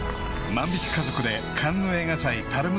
［『万引き家族』でカンヌ映画祭パルム